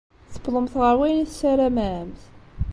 Tewwḍemt ɣer wayen i tessaramemt?